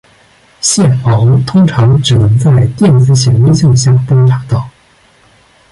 线毛通常只能在电子显微镜下观察到。